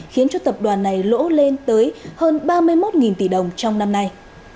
khiến cho tập đoàn này lỗ lên tới hơn ba mươi một tỷ đồng trong năm nay